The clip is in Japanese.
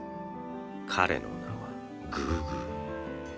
彼の名はグーグー。